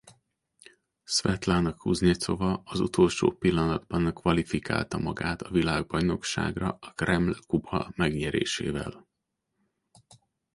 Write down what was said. Szvetlana Kuznyecova az utolsó pillanatban kvalifikálta magát a világbajnokságra a Kreml Kupa megnyerésével.